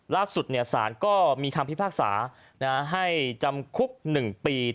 ล่าสุดสารก็มีคำพิพากษาให้จำคุก๑ปี